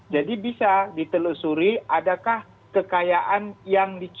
jadi bisa ditelusuri adakah kekayaan yang dicuri